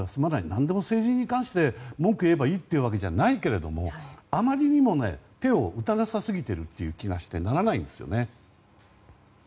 何でも政治に関して文句を言えばいいというわけではないけれどもあまりにも手を打たなさ過ぎている気がしてならないです。